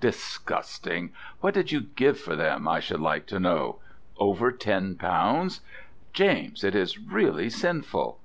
Disgusting. What did you give for them, I should like to know? Over Ten Pounds? James, it is really sinful.